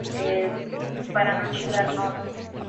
Su hábitat natural son los herbazales tropicales.